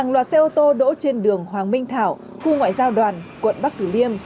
loạt xe ô tô đỗ trên đường hoàng minh thảo khu ngoại giao đoàn quận bắc tử liêm